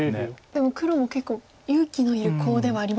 でも黒も結構勇気のいるコウではありますよね